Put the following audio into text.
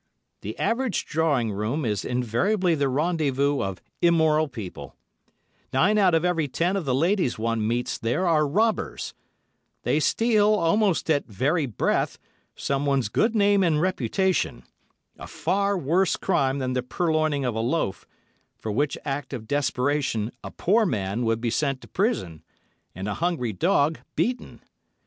The average drawing room is invariably the rendezvous of immoral people; nine out of every ten of the ladies one meets there are robbers—they steal, almost at very breath, someone's good name and reputation, a far worse crime than the purloining of a loaf, for which act of desperation a poor man would be sent to prison, and a hungry dog beaten.